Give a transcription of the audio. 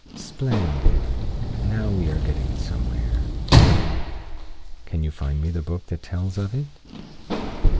"Splendid, now we are getting somewhere. Can you find me the book that tells of it?"